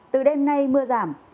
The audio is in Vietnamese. từ đêm nay mưa giảm